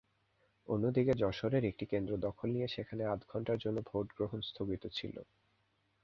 অন্যদিকে যশোরের একটি কেন্দ্র দখল নিয়ে সেখানে আধঘণ্টার জন্য ভোটগ্রহণ স্থগিত ছিল।